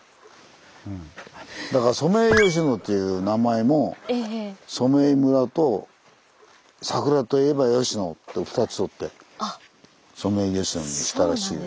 だからソメイヨシノという名前も染井村と「桜といえば吉野」と２つとってソメイヨシノにしたらしいです。